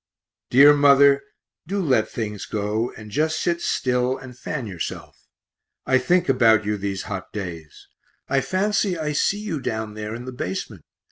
Dear mother, do let things go, and just sit still and fan yourself. I think about you these hot days. I fancy I see you down there in the basement.